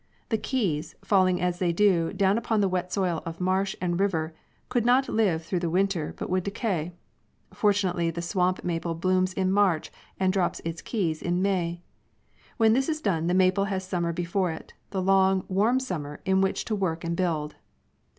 The keys, falling as they do upon the wet soil of marsh and river, could not live through the win ter but would decay. Fortunately the swamp maple blooms in March and drops its keys in May. When this is done the maple has sum mer before it, the long, warm summer in which to work and build.